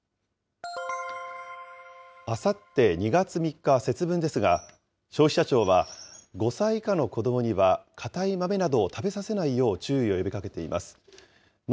あさって２月３日は節分ですが、消費者庁は、５歳以下の子どもには硬い豆などを食べさせないよう注意を呼びかけています。